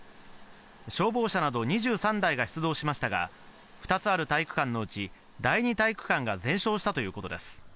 消防車など２３台が出動しましたが、２つある体育館のうち、第２体育館が全焼したということです。